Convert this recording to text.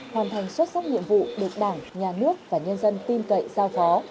hoàn thành xuất sắc nhiệm vụ được đảng nhà nước và nhân dân tin cậy giao phó